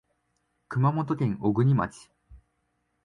熊本県小国町